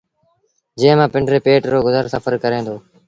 جݩهݩ مآݩ پنڊري پيٽ رو گزر سڦر ڪري دو۔